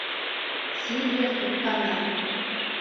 Сильвер туҡтаны.